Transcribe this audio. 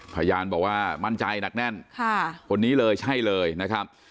พยานบอกว่ามั่นใจหนักแน่นคนนี้เลยใช่เลยนะครับ